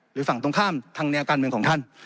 ฝั่งตรงข้ามทางแนวการเมืองของท่าน